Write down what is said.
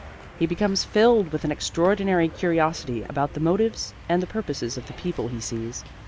He becomes filled with an extraordinary curiosity about the motives and purposes of the people he sees.